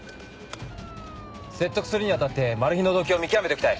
説得するに当たってマルヒの動機を見極めておきたい。